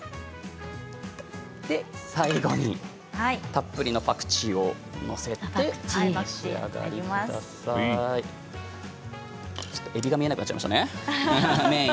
最後にたっぷりのパクチーを載せて、お召し上がりください。